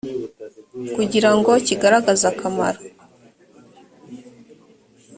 kugira ngo kigaragaze akamaro